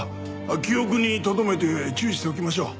記憶にとどめて注意しておきましょう。